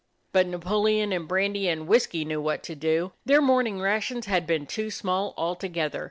But Napoleon and Brandy and Whisky knew what to do. Their morning rations had been too small altogether.